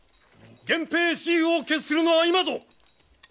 源平雌雄を決するのは今ぞ！